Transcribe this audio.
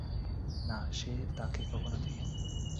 না, সে তাকে কখনো দেখেনি।